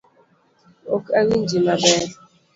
Ok awinji maber.